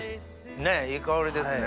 ねぇいい香りですね。